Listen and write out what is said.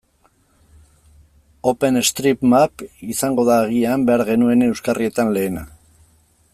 OpenStreetMap izango da agian behar genuen euskarrietan lehena.